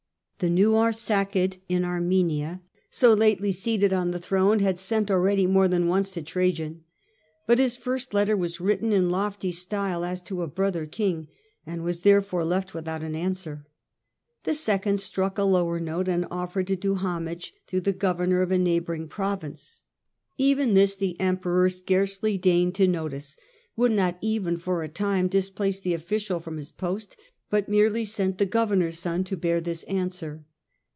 The new Arsacid in Armenia, so and lately seated on the throne, had sent already more than once to Trajan. But his first letter Armenia, ^as written in lofty style as to a brother king, and was therefore left without an answer ; the second struck a lower note, and offered to do homage through the governor of a neighbouring province. Even this the Emperor scarcely deigned to notice, would not even for a time displace the official from his post, but merely sent the governor's son to bear this answer.